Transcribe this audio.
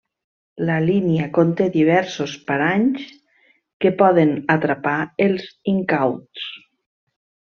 La línia conté diversos paranys que poden atrapar els incauts.